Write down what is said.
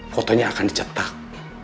fotonya akan dicetak